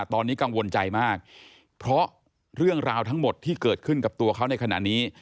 ตอนนี้กังวลใจมากเพราะเรื่องราวทั้งหมดที่เกิดขึ้นกับตัวเขาในขณะนี้